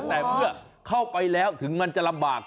แต่เมื่อเข้าไปแล้วถึงมันจะลำบาก